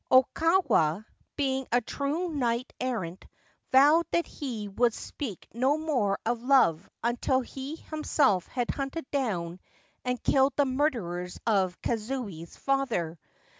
Okawa, being a true knight errant, vowed that he would speak no more of love until he himself had hunted down and killed the murderers of Kazuye's father.